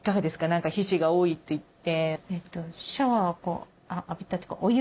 何か皮脂が多いといって。